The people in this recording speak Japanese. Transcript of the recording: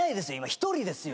１人ですよ。